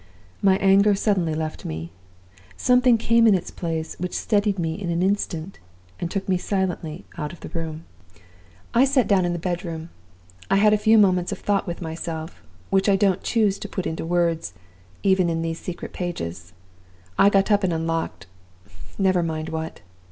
"My anger suddenly left me. Something came in its place which steadied me in an instant, and took me silently out of the room. "I sat down alone in the bedroom. I had a few minutes of thought with myself, which I don't choose to put into words, even in these secret pages. I got up, and unlocked never mind what.